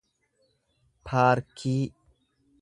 paarkii